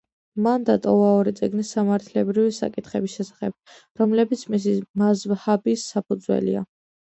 მან დატოვა ორი წიგნი სამართლებრივი საკითხების შესახებ, რომლებიც მისი მაზჰაბის საფუძველია.